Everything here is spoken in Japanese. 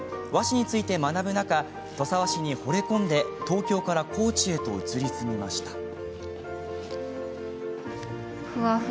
和紙について学ぶ中土佐和紙にほれ込んで東京から高知へと移り住みました。